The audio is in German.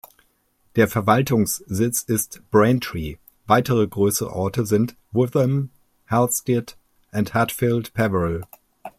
Der Verwaltungssitz ist Braintree, weitere größere Orte sind Witham, Halstead und Hatfield Peverel.